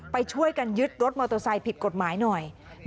ไปช่วยกันยึดรถมอเตอร์ไซค์ผิดกฎหมายหน่อย